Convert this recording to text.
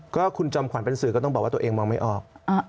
ก็คุณจอมขวัญเป็นสื่อก็ต้องบอกว่าตัวเองมองไม่ออก